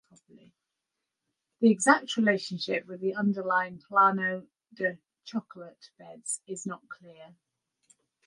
The exact relationship with the underlying Llano de Chocolate Beds is not clear.